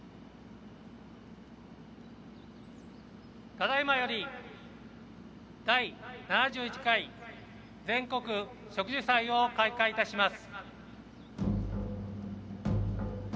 ただいまより「第７１回全国植樹祭」を開会いたします。